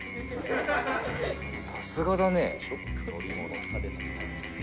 さすがだねぇ！